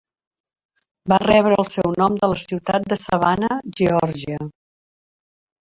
Va rebre el seu nom de la ciutat de Savannah, Georgia.